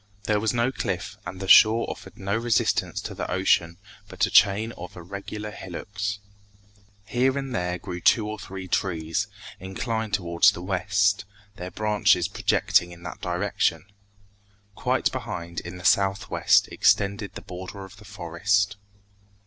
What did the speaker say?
There was no cliff, and the shore offered no resistance to the ocean but a chain of irregular hillocks. Here and there grew two or three trees, inclined towards the west, their branches projecting in that direction. Quite behind, in the southwest, extended the border of the forest.